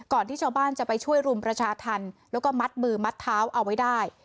ที่ชาวบ้านจะไปช่วยรุมประชาธรรมแล้วก็มัดมือมัดเท้าเอาไว้ได้